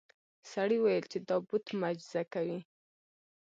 سړي وویل چې دا بت معجزه کوي.